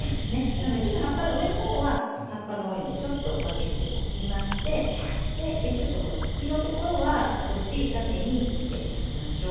なのでちょっと葉っぱの上の方は葉っぱが多いのでちょっと分けておきましてでちょっとこの茎のところは少し縦に切っていきましょう。